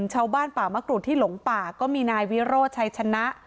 ชาวบ้านป่ามะกรูดที่หลงป่าก็มีนายวิโรธชัยชนะ